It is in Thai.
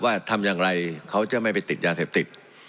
ทำอย่างไรเขาจะไม่ไปติดยาเสพติด